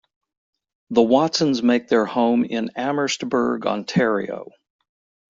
The Watsons make their home in Amherstburg, Ontario.